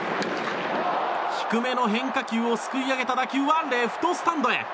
低めの変化球をすくい上げた打球はレフトスタンドへ。